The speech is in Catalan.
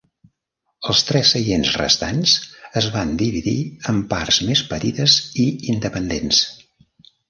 Els tres seients restants es van dividir en parts més petites i independents.